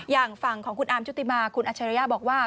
อย่างฝั่งของคุณอาร์มชุติมาคุณอัชริยะบอกว่า